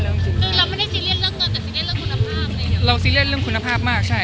เราเซียเรียสเรื่องขนโรคมากใช่